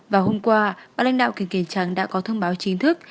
vào hôm qua bà lãnh đạo kỳ kỳ trắng đã có thông báo chính thức